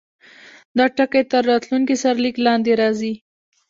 دا ټکی تر راتلونکي سرلیک لاندې راځي.